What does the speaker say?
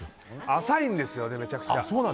浅いんですよね、めちゃくちゃ。